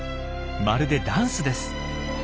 まるでダンスです。